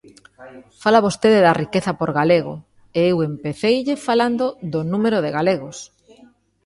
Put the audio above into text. Fala vostede da riqueza por galego, e eu empeceille falando do número de galegos.